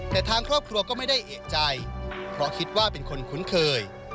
แต่ทางครอบครัวก็ไม่ได้เอกใจเพราะคิดว่าเป็นคนคุ้นเคย